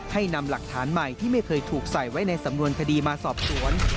ให้นำหลักฐานใหม่ที่ไม่เคยถูกใส่ไว้ในสำนวนคดีมาสอบสวน